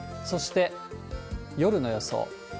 そして夜の予想。